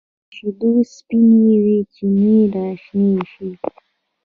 تر شیدو سپینې چینې راشنې شي